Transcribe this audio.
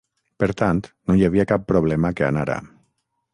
Per tant, no hi havia cap problema que anara.